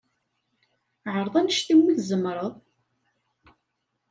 Ɛreḍ anect umi tzemreḍ.